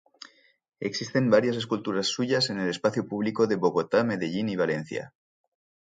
Existen varias esculturas suyas en el espacio público de Bogotá, Medellín y Valencia.